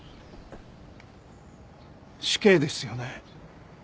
死刑ですよね？